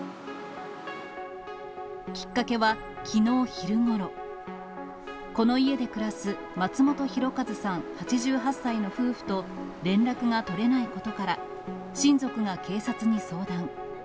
きっかけは、きのう昼ごろ、この家で暮らす松本博和さん８８歳の夫婦と連絡が取れないことから、親族が警察に相談。